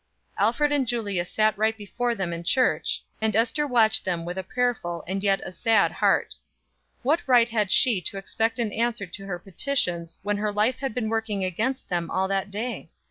Alfred and Julia sat right before them in church; and Ester watched them with a prayerful, and yet a sad heart What right had she to expect an answer to her petitions when her life had been working against them all that day?